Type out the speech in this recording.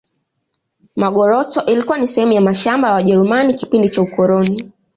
magoroto ilikuwa ni sehemu ya mashamba ya wajerumani kipindi cha ukoloni